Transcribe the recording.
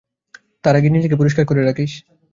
তার আগেই নিজেকে পরিষ্কার করে রাখিস।